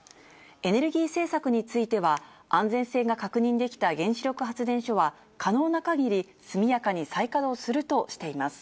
エネルギー政策については、安全性が確認できた原子力発電所は、可能なかぎり速やかに再稼働するとしています。